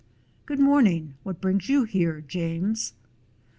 "Good morning! What brings you here, James?"